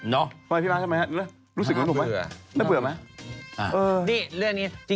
นี่เรื่องนี้